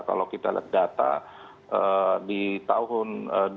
kalau kita lihat data di tahun dua ribu dua